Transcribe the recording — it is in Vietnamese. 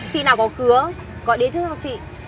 khi nào có cửa gọi đến trước sau chị